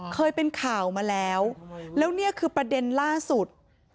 เคยเป็นข่าวมาแล้วแล้วนี่คือประเด็นล่าสุด